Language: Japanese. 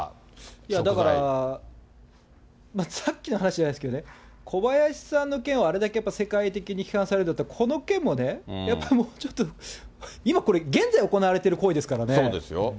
いや、だから、さっきの話じゃないですけど、小林さんの件があれだけやっぱり世界的に批判されるんだったら、この件もね、やっぱりもうちょっと、今、これ、現在、そうですよ。